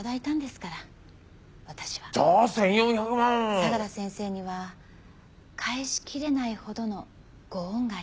相良先生には返しきれないほどのご恩があります。